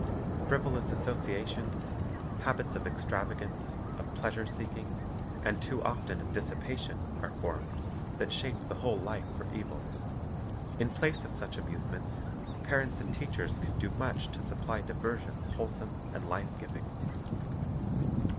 Frivolous associations, habits of extrava gance, of pleasure seeking, and too often of dissipation, are formed, that shape the whole life for evil. In place of such amusements, parents and teachers can do much to supply diversions wholesome and life giving.